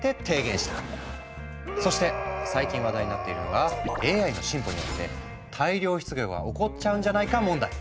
そして最近話題になっているのがＡＩの進歩によって大量失業が起こっちゃうんじゃないか問題。